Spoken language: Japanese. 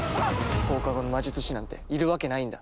放課後の魔術師なんているわけないんだ。